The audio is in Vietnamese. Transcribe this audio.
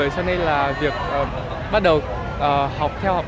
cho nên là việc bắt đầu học theo học